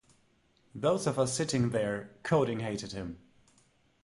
Those of us sitting there coding hated him.